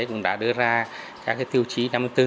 cũng đã đưa ra các tiêu chí năm mươi bốn